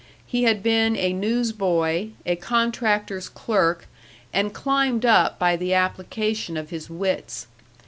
He had been a newsboy, a contractor's clerk, and climbed up by the application of his wits.